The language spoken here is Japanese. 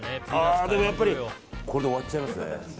でもやっぱりこれで終わっちゃいますね。